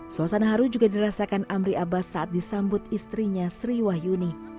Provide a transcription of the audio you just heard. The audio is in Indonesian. suasana haru juga dirasakan amri abbas saat disambut istrinya sri wahyuni